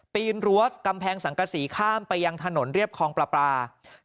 ปีนรั้วกำแพงสังกษีข้ามไปยังถนนเรียบคลองปลาปลา